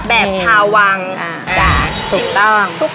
พี่ดาขายดอกบัวมาตั้งแต่อายุ๑๐กว่าขวบ